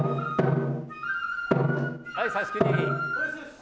はい「差し切り」。